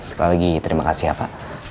sekali lagi terima kasih ya pak